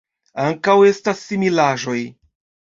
Ankaŭ estas similaĵoj.